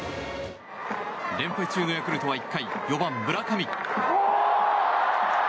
連敗中のヤクルトは１回４番、村上。